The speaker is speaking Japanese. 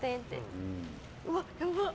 うわ、やばっ。